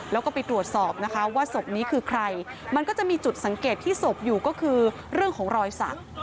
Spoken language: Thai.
แล้วก็ไปตรวจสอบนะคะว่าศพนี้คือใครมันก็จะมีจุดสังเกตที่ศพอยู่ก็คือเรื่องของรอยสัก